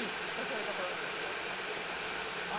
きっとそういうところにも気を使ってると思います。